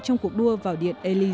trong cuộc đua vào điện elis